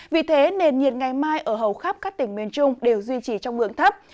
vì thế nền nhiệt ngày mai ở hầu khắp các tỉnh miền trung đều duy trì trong ngưỡng thấp